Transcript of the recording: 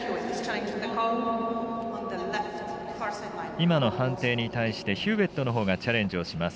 今の判定に対してヒューウェットのほうがチャレンジをします。